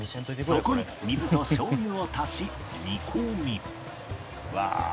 そこに水と醤油を足し煮込み